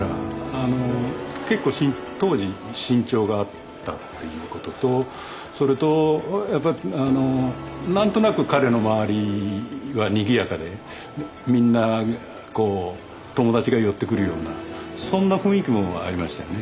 あの結構当時身長があったっていうこととそれとやっぱあの何となく彼の周りはにぎやかでみんながこう友達が寄ってくるようなそんな雰囲気もありましたよね